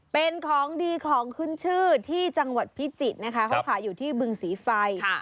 เป็นของดีของขึ้นชื่อที่จังหวัดพิจิตรนะคะเขาขายอยู่ที่บึงศรีไฟ